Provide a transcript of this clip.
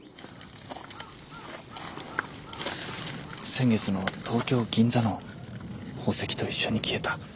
先月の東京銀座の宝石と一緒に消えた。